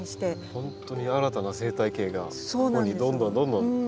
本当に新たな生態系がここにどんどんどんどん。